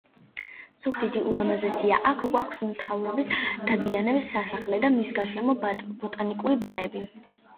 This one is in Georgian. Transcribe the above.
ზუგდიდი ულამაზესია. აქ გვაქვს მთავრების- დადიანების სასახლე და მის გარშემო ბოტანიკური ბაღები.